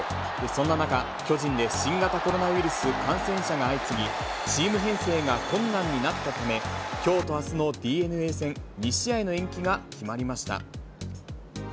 そんな中、巨人で新型コロナウイルス感染者が相次ぎ、チーム編成が困難になったため、きょうとあすのＤｅＮＡ戦２試合の延期が決まりました。